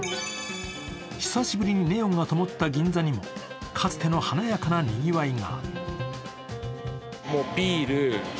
久しぶりにネオンがともった銀座にも、かつての華やかなにぎわいが。